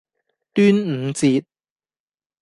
端午節